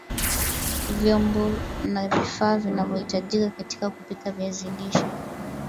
Vyombo na vifaa vinavyahitajika katika kupika viazi lishe